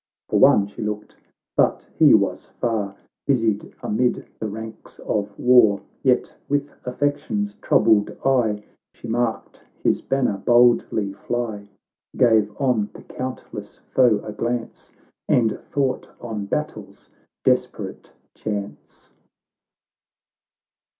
For one she looked— but he was far Busied amid the ranks of war — Yet with affection's troubled eye She marked his banner boldly fly, Gave on the countless foe a glance, And thought on battle's desperate chance.